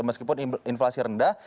meskipun inflasi rendah